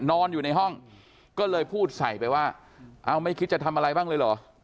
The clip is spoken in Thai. นอนอยู่ในห้องก็เลยพูดใส่ไปว่าเอาไม่คิดจะทำอะไรบ้างเลยเหรอ